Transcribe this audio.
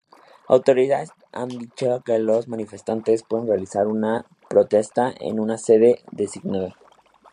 Autoridades han dicho que los manifestantes pueden realizar una protesta en una sede designada.